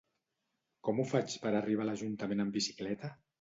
Com ho faig per arribar a l'Ajuntament amb bicicleta?